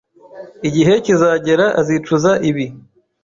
Igihe kizagera azicuza ibi.